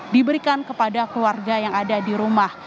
diberikan kepada keluarga yang ada di rumah